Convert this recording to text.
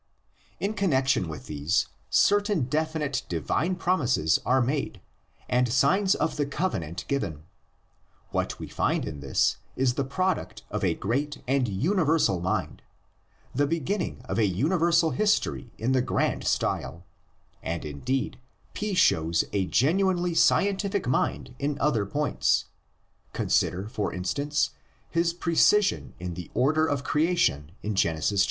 In connexion with these, certain definite divine promises are made and signs of the Covenant given. What we find in this is the product of a great and universal mind, the beginning of a universal history in the grand style, and indeed P shows a genuinely scientific mind in other points: consider, for instance, his precision in the order of creation in Genesis i.